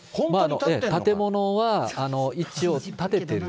建物は、一応建ててる。